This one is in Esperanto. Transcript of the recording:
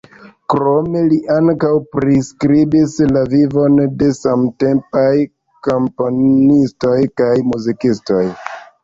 Krome li ankaŭ priskribis la vivon de samtempaj komponistoj kaj muzikistoj.